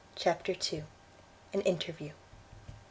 CHAPTER ii. AN INTERVIEW.